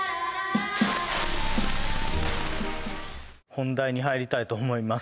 本題に入りたいと思います